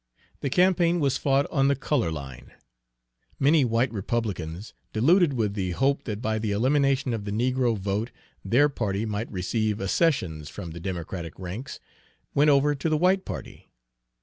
The campaign was fought on the color line. Many white Republicans, deluded with the hope that by the elimination of the negro vote their party might receive accessions from the Democratic ranks, went over to the white party.